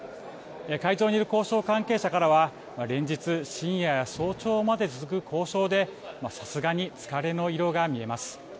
会場にいる交渉関係者からは連日、深夜や早朝まで続く交渉で、さすがに疲れの色が見えます。